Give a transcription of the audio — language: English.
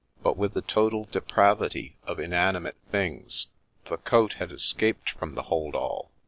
But, with the total depravity of inanimate things, the coat had escaped from the hold all.